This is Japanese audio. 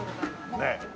ねえ。